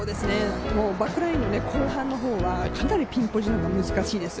バックラインの後半の方はかなりピンポジションが難しいです。